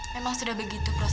memang sudah begitu prost